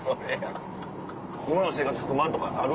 今の生活不満とかある？